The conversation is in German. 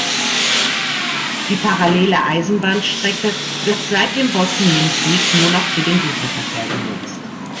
Die parallele Eisenbahnstrecke wird seit dem Bosnienkrieg nur noch für den Güterverkehr genutzt.